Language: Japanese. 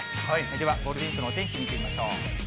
では、ゴールデンウィークのお天気見てみましょう。